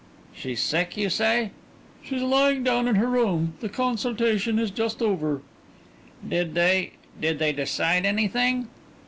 "She's sick, you say?" "She's lying down in her room. The consultation is just over." "Did they did they decide anything?"